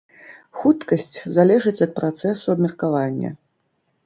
Хуткасць залежыць ад працэсу абмеркавання.